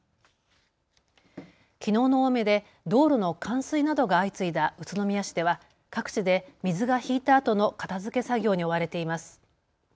きのうの大雨で道路の冠水などが相次いだ宇都宮市では各地で水が引いたあとの片づけ作業に追われています。